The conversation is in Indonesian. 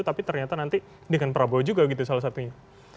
tapi ternyata nanti dengan prabowo juga gitu salah satunya